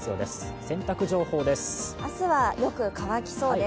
明日はよく乾きそうです。